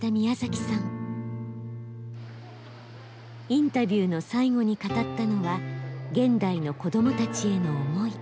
インタビューの最後に語ったのは現代の子どもたちへの思い。